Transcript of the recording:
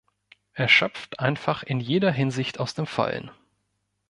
Er schöpft einfach in jeder Hinsicht aus dem Vollen.